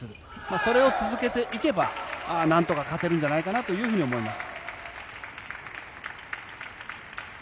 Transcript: それを続けていけばなんとか勝てるんじゃないかなと思います。